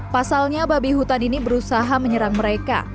pasalnya babi hutan ini berusaha menyerang mereka